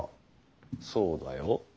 そうだよ。